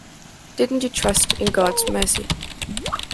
Didn't you trust in God's mercy?